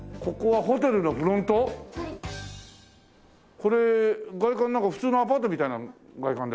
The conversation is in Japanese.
これ外観普通のアパートみたいな外観だけど。